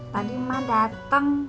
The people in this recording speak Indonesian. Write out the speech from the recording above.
tadi emak dateng